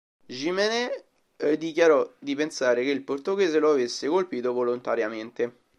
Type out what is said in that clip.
Jiménez dichiarò di pensare che il portoghese lo avesse colpito volontariamente.